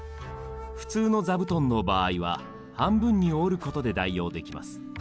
普通の座布団の場合は半分に折ることで代用できます。